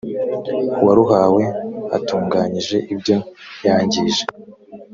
uwaruhawe atunganyije ibyo yangije